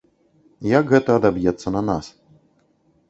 Як гэта адаб'ецца на нас.